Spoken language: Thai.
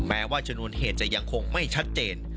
แม้ว่าชนวนเหตุจะยังคงไม่ชัดเจน